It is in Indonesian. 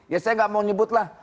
ya saya gak mau nyebut lah